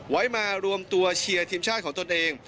ไว้มารวมตัวเชียร์ทีมชาติของตนเอง